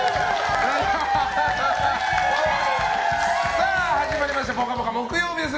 さあ、始まりました「ぽかぽか」木曜日です！